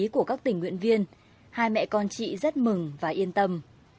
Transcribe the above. của các tình nguyện viên hai mẹ con chị rất mừng và yên tâm